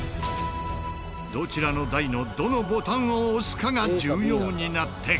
どちらの台のどのボタンを押すかが重要になってくる。